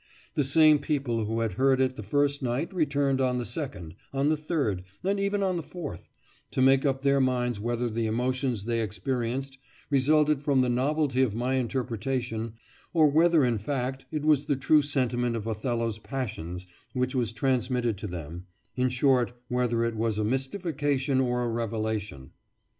The same people who had heard it the first night returned on the second, on the third, and even on the fourth, to make up their minds whether the emotions they experienced resulted from the novelty of my interpretation, or whether in fact it was the true sentiment of Othello's passions which was transmitted to them in short, whether it was a mystification or a revelation.